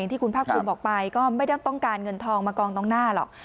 ที่คุณภาคภูมิบอกไปก็ไม่ได้ต้องการเงินทองมากองตรงหน้าหรอก